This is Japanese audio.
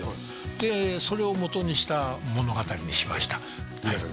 でそれをもとにした物語にしました皆さん